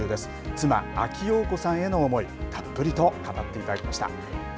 妻、阿木燿子さんへの思いたっぷりと語っていただきました。